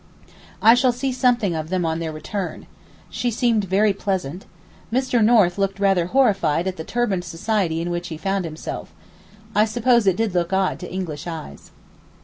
I shall see something of them on their return. She seemed very pleasant. Mr. North looked rather horrified at the turbaned society in which he found himself. I suppose it did look odd to English eyes.